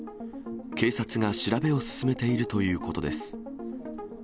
警察が調べを進めているということです。